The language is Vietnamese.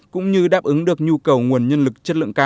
cũng như đáp ứng được nhu cầu nguồn nhân lực chất lượng cao